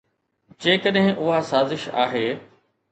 جيڪڏهن اها سازش آهي.